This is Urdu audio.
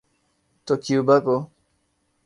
تو کیوبا کو۔